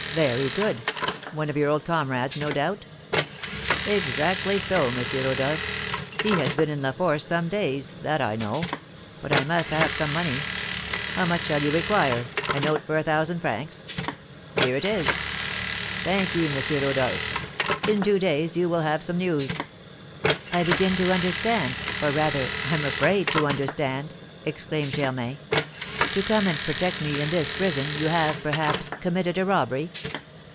'Very good one of your old comrades, no doubt?' 'Exactly so, M. Rodolph; he has been in La Force some days, that I know. But I must have some money.' 'How much shall you require, a note for a thousand francs? Here it is.' 'Thank ye, M. Rodolph; in two days you will have some news.'" "I begin to understand, or, rather, I'm afraid to understand," exclaimed Germain. "To come and protect me in this prison you have, perhaps, committed a robbery?